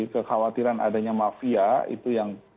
kekhawatiran adanya mafia itu yang